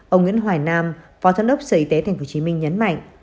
ông nguyễn hoài nam phó giám đốc sở y tế tp hcm nhấn mạnh